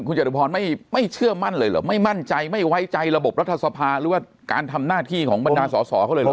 จตุพรไม่เชื่อมั่นเลยเหรอไม่มั่นใจไม่ไว้ใจระบบรัฐสภาหรือว่าการทำหน้าที่ของบรรดาสอสอเขาเลยเหรอ